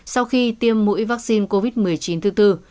sau khi tiêm mũi vaccine covid một mươi chín thứ tư